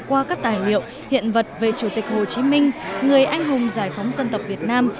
qua các tài liệu hiện vật về chủ tịch hồ chí minh người anh hùng giải phóng dân tộc việt nam